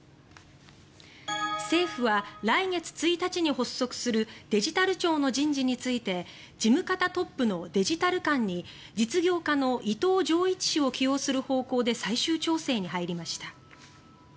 政府は来月１日に発足するデジタル庁の人事について事務方トップのデジタル監に実業家の伊藤穣一氏を起用する方向で最終調整に入りました。